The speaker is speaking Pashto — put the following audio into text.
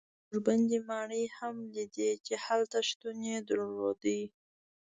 موږ بندي ماڼۍ هم لیدې چې هلته شتون یې درلود.